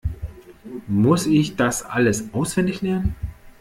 Muss ich das alles auswendig lernen?